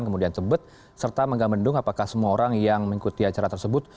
kemudian tebet serta megamendung apakah semua orang yang mengikuti acara tersebut